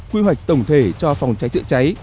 quy hoạch tổng thể cho phòng cháy chữa cháy